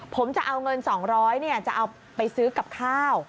ผมจะเอาเงิน๒๐๐จะเอาไปซื้อกับข้าว